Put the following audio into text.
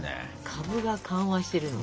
かぶが緩和してるのか。